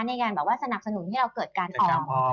ในการสนับสนุนให้เราเกิดการออม